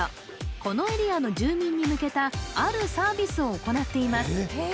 このエリアの住民に向けたあるサービスを行っています